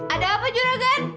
ada apa juragan